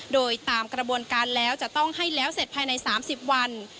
โดยตามกระบวนการแล้วจะต้องให้แล้วเสร็จภายใน๓๐วัน